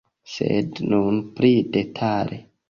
Sed nun pli detale.